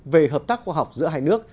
về hợp tác khoa học giữa hai nước